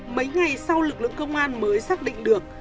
mấy ngày sau lực lượng công an mới xác định được